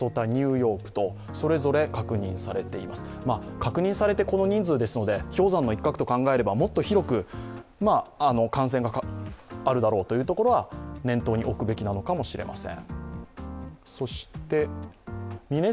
確認されてこの人数ですので、氷山の一角と考えればもっと広く感染があるだろうというところは念頭に置くべきなのかもしれません。